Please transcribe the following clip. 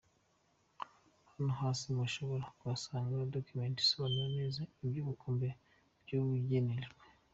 Hano hasi mushobora kuhasanga Document isobanura neza iby’Ubukonde n’Ubugererwa